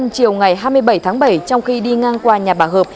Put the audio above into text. chiều ngày hai mươi bảy tháng bảy trong khi đi ngang qua nhà bà hợp